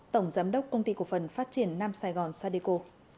tổng giám đốc công ty cổ phần phát triển nam sài gòn sadeco